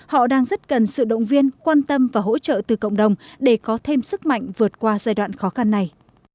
họ đang rất cần sự động viên quan tâm và hỗ trợ từ cộng đồng để có thêm sức mạnh vượt qua giai đoạn khó khăn này